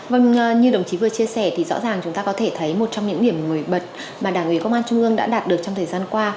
vâng như đồng chí vừa chia sẻ thì rõ ràng chúng ta có thể thấy một trong những điểm nổi bật mà đảng ủy công an trung ương đã đạt được trong thời gian qua